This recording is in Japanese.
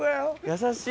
優しい。